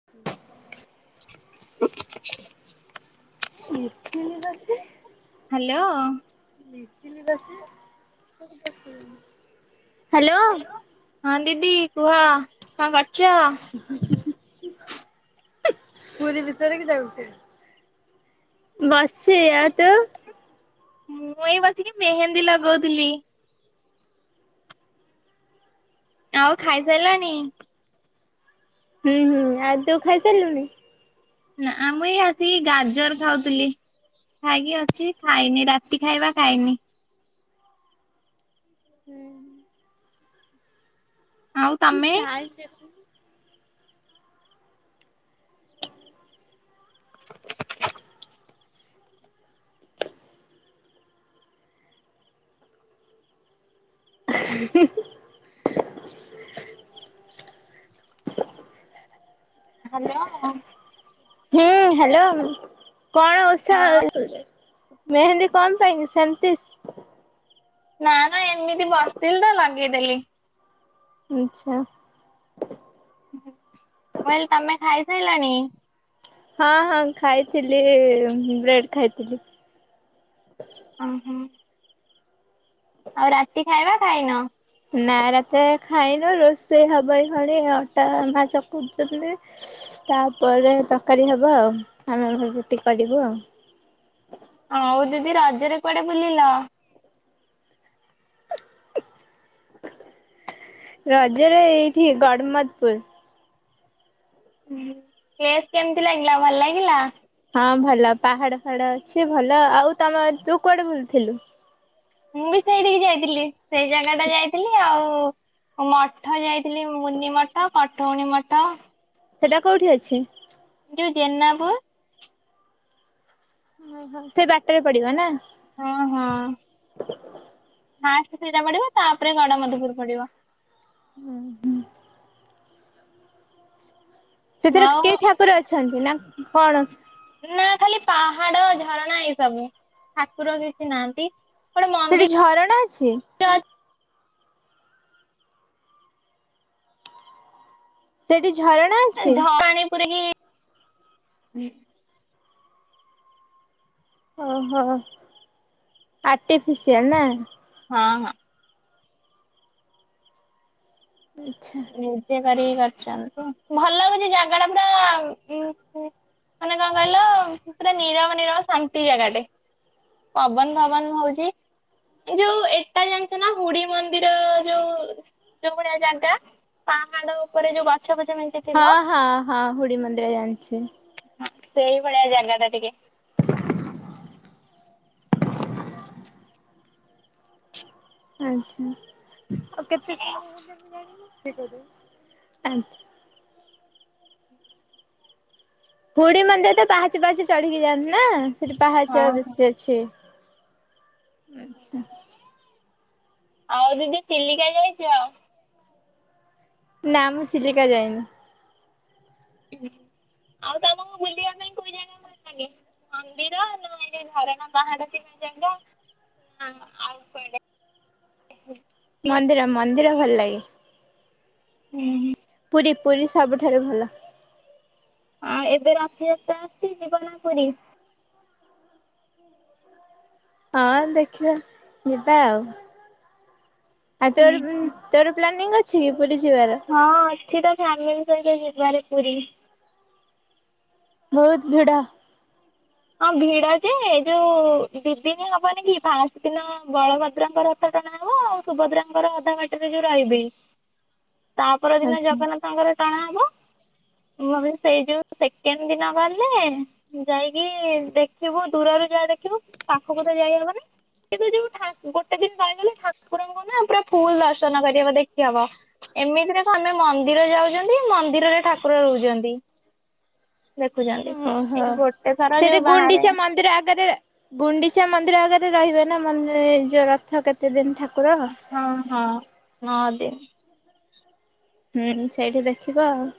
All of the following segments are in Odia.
[inaudible] [inaudible] ମିଥିନି ପା ସିଏ। ହାଲୋ ହାଲୋ ହଁ ଦିଦି କୁହ କଁ କରୁଚ? [inaudible] ପୁରୀ ବିଷୟରେ କି ଯାଉଛୁ ବସଛି ଆଉ ତୁ? ମୁଁ ଏଇ ବସିକି ମେହେନ୍ଦୀ ଲଗଉଥିଲି। ଆଉ ଖାଇସାରିଲଣି! ହୁଁ ହୁଁ ଆଉ ତୁ ଖାଇ ସାରିଲୁଣି! ନା ଆମେଇ ଆଜି ଗାଜର ଖାଉଥିଲି। ଖାଇକି ଅଛି, ଖାଇନି ରାତି ଖାଇବା ଖାଇନି। [unintelligible] ଆଉ ଉଁ ତମେ? ଧାଇଁକି ଆସୁନୁ। ଉଁ ହି ହି! ହ୍ୟାଲୋ। ହୁଁ ହ୍ୟାଲୋ କଣ ଓଷ ସୋଇଯାଏ। ମେହେନ୍ଦୀ କଣ ପାଇଁ ସେଲପିସ। ନା ନା ଏମିତି ବସିଥିଲିତ ଲଗେଇଦେଲି। ଉଁଚ୍ଛା। ଉଁ ହୁଁ କହିଲି ତମେ ଖାଇସାରିଲଣି? ହଁ ହଁ ଖାଇଥିଲି ବ୍ରେଡ ଖାଇଥିଲି। ଅହ! ଆଉ ରାତି ଖାଇବା ଖାଇନ! ନା ରାତିରେ ଖାଇନ ରୋଷେଇ ହବ ଏଇ କ୍ଷଣୀ ଏ ଅଟା ମା ଚକଡୁଚନ୍ତି! ତା ଉପରେ ତରକାରୀ ହବ ଆଉ! ଆମେ ଆମର ରୁଟି କରିବୁ ଆଉ! ଆଉ ଦିଦି ରଜରେ କୁଆଡେ ବୁଲିଲ! ଉଁ ରଜରେ ଏଇଠି ଗଡମଧୁପୁରୁ! ମୁଁ ଫେସ୍ କେମିତି ଲାଗିଲା ଭଲ ଲାଗିଲା! ହଁ ଭଲ ପାହାଡ ଫାହାଡ ଅଛି, ଭଲ ଆଉ ତମ ତୁ କୁଆଡେ ବୁଲୁଥିଲୁ! ମୁଁ ବି ସେଇଠିକି ଯାଇଥିଲି, ସେଇ ଜାଗାଟା ଯାଇଥିଲି! ଆଉ ମଠ ଯାଇଥିଲି ମୁନି ମଠ କଠଉଣୀ ମଠ! ସେଟା କୋଉଠି ଅଛି! ଯୋଉ ଜେନାପୁରୁ! ଅହ ସେ ବାଟରେ ପଡିବନା! ହଁ ହଁ! ଫାଷ୍ଟେ ସେଇଟା ପଡିବ, ତାପରେ ଗଡମଧପୁର ପଡିବ! ଉଁ ହୁଁ! ସେଥିରେ ଆଉ କି ଠାକୁର ଅଛନ୍ତି, ନା କଣ! ନା ଖାଲି ପାହାଡ ଝରଣା ଏଇ ସବୁ ଠାକୁର କିଚି ନାହାନ୍ତି! ଗୋଟେ ସେଇଠି ମନ୍ଦିର ଝରଣା ଅଛି! ସେଇଠି ଝର ଝରଣିପୁରିକି ହୁଁ! ଅହ ଆର୍ଟିଫିସିଆଲ ନାଁ! ହଁ ହଁ! ଆଚ୍ଛା! ନିଜେ କରିକି କରିଚନ୍ତି! ଭଲ ଲାଗଚି ଜାଗାଟା ପୂରା ଉଁ ଉଁ ମାନେ ଙ୍କ କହିଲ ପୁରା ନିରବ ନିରବ ଶାନ୍ତି ଜାଗାଟେ! ପବନ ଫବନ ହଉଚି! ଏ ଯୋଉ ଏଟା ଜାଣିଚନା ହୁଡି ମନ୍ଦିର ଯୋଉ ଯୋଉ ଭଳିଆ ଜାଗା ପାହାଡ ଉପରେ ଯୋଉ ଗଛ ପଛ ମେଣ୍ଟେନ ହ ହା ହା ହୁଡି ମନ୍ଦିର ଜାଣିଛି! ସେଇ ଭଳିଆ ଜାଗା ତ ଟିକେ। ଆଚ୍ଛା ଆଉ କେତେ ସମୟ ହେଲେ ବିରାଣ ସେ କର ଆଚ୍ଛା। ହୁଡି ମନ୍ଦିର ତ ପାହାଚି ପାହଚି ଚଢିକି ଯାଆନ୍ତି ନା ସେଠି ହଁ ପାହାଚିବା ବେଶୀ ଅ ଛେ। ଓଉ ହୋ। ଆଉ ଦିଦି ଚିଲିକା ଯାଇଚ। ନା ମୁଁ ଚିଲିକା ଯାଇନି। ହ ଆଉ ତମକୁ ବୁଲିବା ପାଇଁ କୋଉ ଜାଗା ଲାଗେ ମନ୍ଦିର ନ ଯଉ ଝରଣା ପାହାଡ ଥିବା ଜାଗା ହଁ ଆଉ କଡେ ମନ୍ଦିର ମନ୍ଦିର ଭଲ ଲାଗେ। ହୁଁ। ପୁରୀ ପୁରୀ ସବୁଠାରୁ ଭଲ। ଆଉ ଏବେ ରଥଯାତ୍ରା ଆସୁଛି ଯୀବନା ପୁରୀ। ହଁ ଦେଖିବା ଯିବା ଆଉ ଆଉ ହୁଁ। ତୋର ତୋର ପ୍ଲାନିଂ ଅଛି କି ପୁରୀ ଯିବାର। ହଁଁ ଅଛି ତ ଫ୍ୟାମିଲି ସହିତ ଯିବାରେ ପୁରୀ। ବହୁତ ଭିଡା। ହଁ ଭିଡ ଯେ ଯୋଉ ଦି ଦିନ ହବନି କି ଫାଞ୍ଚ ଦିନ ବଳଭଦ୍ରଙ୍କର। ଟଣା ହବ ଆଉ ସୁଭଦ୍ରାଙ୍କର ଅଧା ବାଟିରେ ଯୋଉ ରହିବି ତା ପର ଦିନ ଅଛି। ଜଗନ୍ନାଥ ତାଙ୍କର କଣ ହବ ମୁ ସେଇ ଯୋଉ ସେକେଣ୍ଡ ଦିନ ଗଲେ ଯାଇକି ଦେଖିବୁ ଦୂରରୁ ଯାହା ଦେଖିବୁ ପାଖକୁ ତ ଯାଇହବନି। କିନ୍ତୁ ଯୋଉ ଠା ଗୋଟେ ଦିନ ରହିଗଲେ ଠାକୁରଙ୍କୁ ନା ପୁରା ଫୁଲ ଦର୍ଶନ କରିହେବ ଦେଖି ହବ। ଏମିତିରେ କଣନା ମନ୍ଦିର ଯାଉଛନ୍ତି ମନ୍ଦିରରେ ଠାକୁର ରହୁଛନ୍ତି। ଦେଖୁଛନ୍ତି ଓହୋ। ଏଇ ଥର ସେଠି ଯୋଉ ବାହାରେ ଗୁଣ୍ଡିଚା ମନ୍ଦିର ଆଗରେ ଗୁଣ୍ଡିଚା ମନ୍ଦିର ଆଗରେ ରହିବେ ନା ମନ୍ ଯୋଉ ରଥ କେତେ ଦିନ ଠାକୁର। ହଁ ହଁ ହଁ ଯେ ହୁଁ ସେଇଠି ଦେଖିବ ଆଉ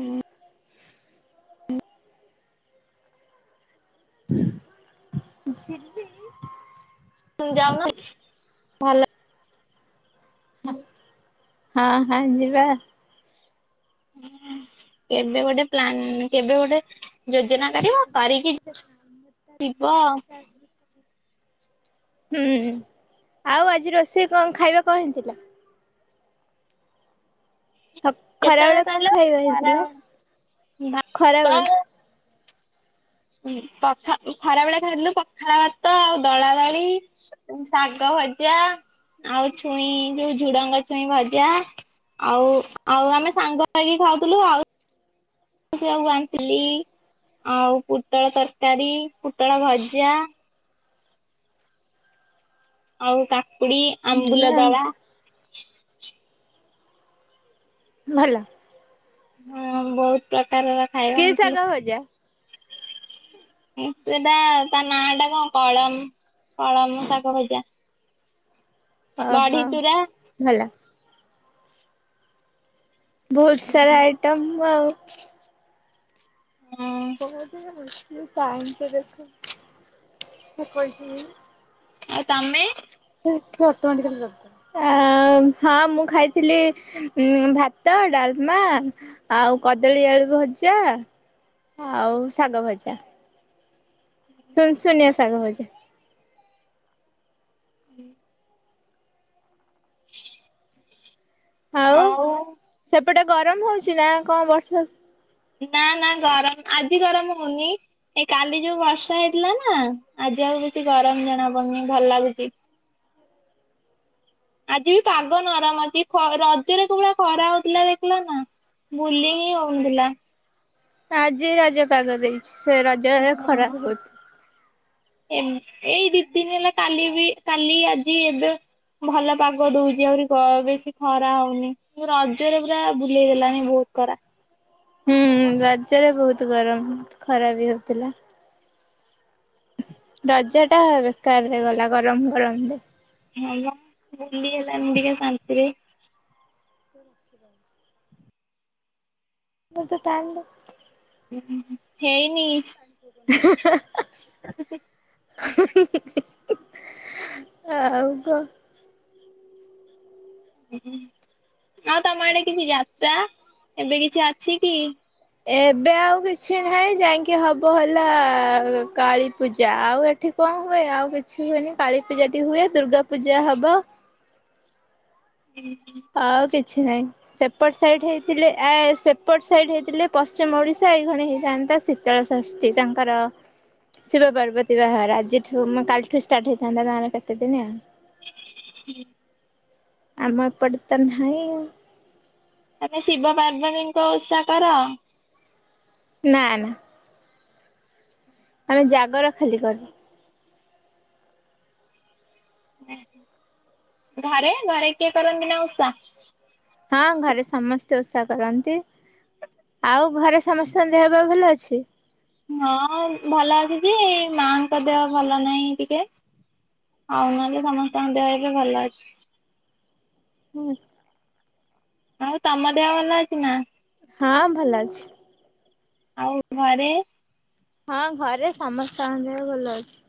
ହୁଁ। ସେ [inaudible] ଯାଉନ ଭଲ। ହଁ ହଁ ଯିବା। କେବେ ଗୋଟେ ପ୍ଲାନ କେବେ ଗୋଟେ ଯୋଜନା କରିବ କରିକି ଯିବ ଆଉ ହୁଁ ଆଉ ଆଜି ରୋଷେଇ କଣ ଖାଇବା କଣ ହେଇଥିଲା? କେତେବେଳେ ଖରାବେେଳେ କଣ କହିଲ ଖାଇବା ଖରା ହେଇଥିଲା ଭାତ ଖରାବେେଳେ। ପଖା ଖରାବେଳେ ଖାଇଥିଲୁ ପଖାଳ ଭାତ ଆଉ ଦଳା ଦଳି। ଶାଗ ଭଜା ଆଉ ଛୁଇଁ ଯୋଉ ଝୁଡଙ୍ଗ ଛୁଇଁ ଭଜା। ଆଉ ଆଉ ଆମେ ସାଙ୍ଗ ହେଇକି ଖାଉଥିଲୁ ଆଉ ମୁ ସେଇଆକୁ ବାଣ୍ଟିଲି ଆଉ ପୋଟଳ ତରକାରୀ ପୋଟଳ ଭଜା। ଆଉ କାକୁଡି ଆମ୍ବୁଲ ଦଳା। ଭଲ। ହଁ ବହୁତ ପ୍ରକାରର ଖାଇବା କି ଏମିତି ଶାଗ ଭଜା? ସେଟା ତା ନାଁ ଟା କଣ କଳମ୍ କଳମ ଶାଗ ଭଜା। ବଢି ଓହୋ ଚୁରା ଭଲ। ବହୁତ ସାରା ହଁ ଆଇଟମ୍ ଆଉ ଓହୋ କେତେ ମୁସ୍କିଲ ଟାଇମ ତ ଦେଖ। ଆଉ ତମେ। ହେ ସେ ଅଟମେଟିକାଲି ଦବ। ଆ ହଁ ମୁଁ ଖାଇଥିଲି ଭାତ ଡାଲମା ଆଉ କଦଳୀ ଆଳୁ ଭଜା ଆଉ ଶାଗ ଭଜା। ଶୁନ ଶୁନିଆ ଶାଗ ଭଜା। ହୁଁ। ହଁ [inaudible] ହଁ ଆଉ। ସେପଟେ ଗରମ ହଉଛି ନା କଣ ବର୍ଷା ନା ନା ଗରମ ଆଜିି ଗରମ ହଉନି। ଏ କାଲି ଯୋଉ ବର୍ଷା ହେଇଥିଲା ନା ଆଜି ଆଉ କିଛି ଗରମ ଜଣା ପଡୁନି ଭଲ ଲାଗୁଚି। ଆଜି ବି ପାଗ ନରମ ଅଛି ରଜରେ କୋଉଭଳିଆ ଖରା ହଉଥିଲା ଦେଖିଲ ନା। ବୁଲି ହିଁ ହଉନଥିଲା। ଆଜି ରଜ ପାଗ ଦେଇଛି ସେ ରଜରେ ଖରା ବୋହୁତ। ଏମି ଏଇ ଦି ଦିନି ହେଲା କାଲି ବି କାଲି ଆଜି ଏବେ ଭଲ ପାଗ ଦଉଚି ଆହୁରି ଖ ବେଶୀ ଖରା ହଉନି। ରଜରେ ପୁରା ବୁଲେଇ ହେଲାଣି ବହୁତ ଖରା। ହୁଁ ରଜରେ ବହୁତ ଗରମ ଖରା ବି ହଉଥିଲା। ରଜା ଟା ବେକାର ହେଇଗଲା ଗରମ ଗରମରେ। ହଁ ବା ବୁଲି ହେଲାନି ଟିକେ ଶାନ୍ତିରେ। ରଖିିବା ମତେ ଟାଇମ୍ ଦେ। ହେଇନି। ଆଉ କହ। ଆଉ ତମ ଆଡେ କିଛି ଯାତ୍ରା ଏବେ କିଛି ଅଛି କି? ଏବେ ଆଉ କିଛି ନାହିଁ ଯାଇକି ହବ ହେଲା କାଳୀପୂଜା ଆଉ ଏ ଏଠି କଣ ହୁଏ ଆଉ କିଛି ହୁଏନି କାଳୀପୂଜାଟି ହୁଏ ଦୁର୍ଗା ପୂଜା ହବ। ଉଁ ହୁଁ। ଆଉ କିଛି ନାହିଁ। ସେପଟ ସାଇଟ୍ ହେଇଥିଲେ ଆଏ ସେପଟ ସାଇଟ୍ ହେଇଥିଲେ ପଶ୍ଚିମ ଓଡିଶା ଏଇ ଖଣି ହେଇଥାନ୍ତା ଶୀତ। ଶୀତଳ ଶଷ୍ଟି ତାଙ୍କର ଶିବ ପାର୍ବତୀ ବାହାଘର ଆଜିଠୁ ମା କାଲିଠୁ ଷ୍ଟାର୍ଟ ହେଇଥାନ୍ତା ତାଙ୍କର କେତେଦିନି ଆଉ। ହଠଁ ଆମ ଏପଟେ ତ ନାହିଁ ଆଉ। ତମେ ଶିବ ପାର୍ବତୀଙ୍କ ଓଷା କର? ନା ନା ଆମେ ଜାଗର ଖାଲି କରୁ। ଘରେ ଘରେ କିଏ କରନ୍ତି ନା ଓଷା? ହଁ ଘରେ ସମସ୍ତେ ଓଷା କରନ୍ତି। ଆଉ ଘରେ ସମସ୍ତଙ୍କ ଦେହବା ଭଲ ଅଛି। ହଁ ଭଲ ଆସିଚି ମାଙ୍କ ଦେହ ଭଲ ନାହିଁ ଟିକେ। ଆଉ ନହେଲେ ସମସ୍ତଙ୍କ ଦେହ ଏବେ ଭଲ ଅଛି। ହୁଁ। ଆଉ ତମ ଦେହ ଭଲ ଅଛି ନା। ହଁ ଭଲ ଅଛି। ଆଉ ଘରେ। ହଁ ଘରେ ସମସ୍ତଙ୍କ ଦେହ ଭଲ ଅଛି।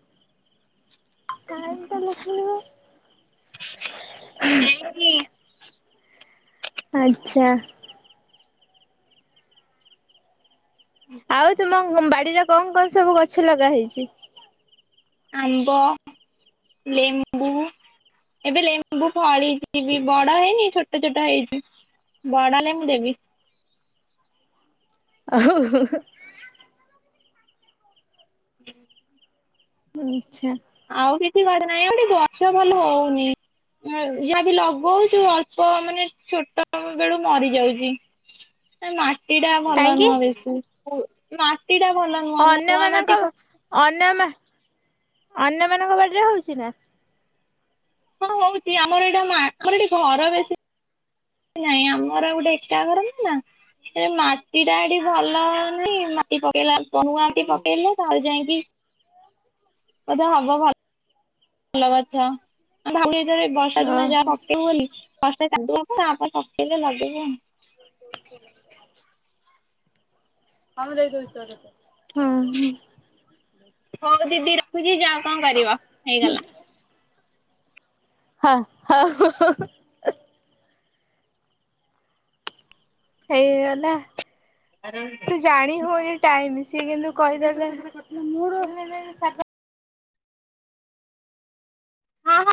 କାହିଁକି ତମେ ସୁଣିବ। କିଁ। ଆଚ୍ଛା। ଆଉ ତୁମ ବାଡିରେ କଂ କଂ ସବୁ ଗଛ ଲଗା ହେଇଚି। ଆମ୍ବ ଲେମ୍ବୁ। ଏବେ ଲେମ୍ବୁ ଫଳିଛି ବି ବଡ ହେଇନି ଛୋଟ ଛୋଟ ହେଇଚି। ବଡ ନେମ୍ବୁ ଦେବି। ଓ [inaudible] ଆଁଚ୍ଛା। ଆଉ କିଛି ଘରେ ନାହିଁ ଆଉ ଏଠେ ଗଛ ଭଲ ହଉନି। ଇା ଯାବି ଲଗଉଚୁ ଅଳ୍ପ ମାନେ ଛୋଟ ବେଳୁ ମରି ଯାଉଚି। ନା ମାଟି ଟା ଭଲ କାହିଁକି? ନୁହଁ ବେଶୀ ମାଟି ଟା ଭଲ ନୁହଁ ନୂଆ ମାଟି ଅନ୍ୟମାନଙ୍କ ହଁ ଅନ୍ୟମା ଅନ୍ୟମାନଙ୍କ ବାଡିରେ ହଉଚି ନା। ହଁ ହଉଚି ଆମର ଏଇଟା ମା ଆମର ଏଠି ଘର ବେଶୀ ନାଇଁ ଆମର ଗୋଟେ ଏକାାଗ୍ର ନା ନା ସେ ମାଟି ଟା ଏଠି ଭଲ ହଉନିଁ ମାଟି ପକେଇଲା ନୂଆ ମାଟି ପକେଇଲେ ତାହଲେ ଯାଇଁକି ବୋଧେ ହବ ଭଲ ଗଛ। ଆ ଭାବୁ ବର୍ଷା ଦିନ ଯାହା ହଁ ପକେଇବୁ ବୋଲି ବର୍ଷା କାଦିଅ କ ଆପଣ ପକେଇଲେ ଲଗେଇବୁ ଆ [inaudible] ହଁ ହୁଁ। ହଉ ଦିଦି ରଖୁଚି ଯାଅ କଂ କରିବ ହେଇଗଲା। ହା ହଉଉ। ହେଇଗଲା ସେ ଜାଣି ହଉ ଏ ଟାଇମି ସିଏ କିନ୍ତୁ କହିଦେଲେ। ହଁ ହଁ।